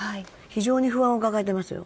非常に不安を抱えていますよ。